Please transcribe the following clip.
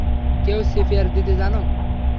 কেউ সিপিআর দিতে জানো?